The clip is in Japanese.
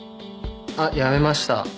あっ辞めました。